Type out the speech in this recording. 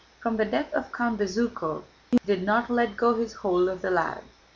From the death of Count Bezúkhov he did not let go his hold of the lad.